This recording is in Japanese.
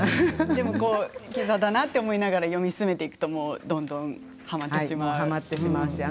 でもキザだなって思いながら読み進めていくともうどんどんはまってしまう。